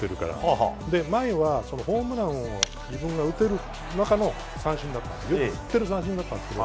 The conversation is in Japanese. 前はホームランを自分が振ってる中の三振だったんですけど振ってる三振だったんですけど